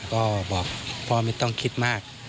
ก็บอกพ่อไม่ต้องคิดมาก